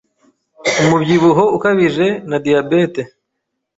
umubyibuho ukabije na diyabete